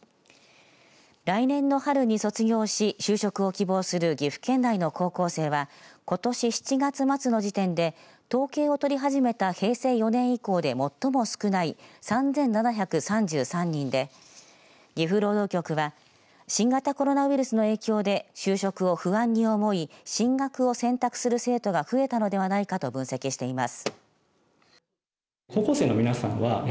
来年の春に卒業し就職を希望する岐阜県内の高校生はことし７月末の時点で統計を取り始めた平成４年以降で最も少ない３７３３人で岐阜労働局は新型コロナウイルスの影響で就職を不安に思い進学を選択する生徒が増えたのではないかと分析しています。